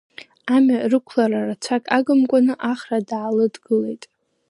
Амҩа рықәлара рацәак агымкәаны Ахра даалыдгылеит.